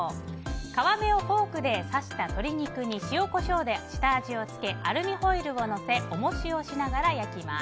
皮目をフォークで刺した鶏肉に塩、コショウで下味を付けアルミホイルをのせ重しをしながら焼きます。